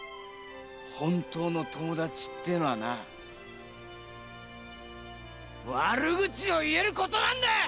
本当の友達っていうのはな、悪口を言えることなんだ！